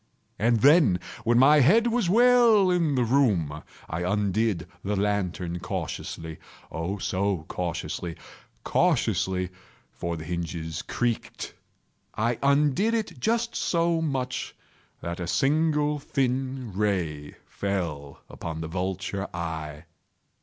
And then, when my head was well in the room, I undid the lantern cautiously—oh, so cautiously—cautiously (for the hinges creaked)—I undid it just so much that a single thin ray fell upon the vulture eye.